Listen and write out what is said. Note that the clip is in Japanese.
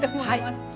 はい。